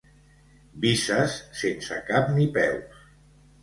Vises sense cap ni peus.